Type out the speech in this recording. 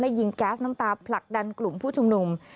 ยิงแก๊สน้ำตาผลักดันกลุ่มผู้ชุมนุม